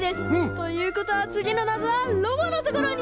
ということはつぎのなぞはロボのところに。